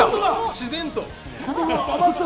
自然と。